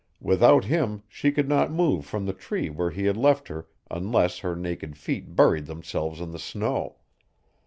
Without him she could not move from the tree where he had left her unless her naked feet buried themselves in the snow.